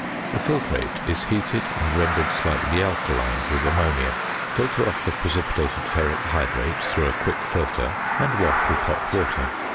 The filtrate is heated, and rendered slightly alkaline with ammonia. Filter off the precipitated ferric hydrate through a quick filter, and wash with hot water.